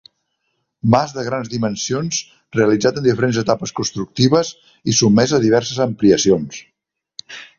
Mas de grans dimensions realitzat en diferents etapes constructives i sotmès a diverses ampliacions.